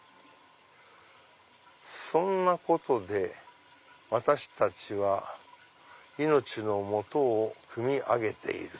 「そんなことで私たちはいのちの素をくみ上げている」。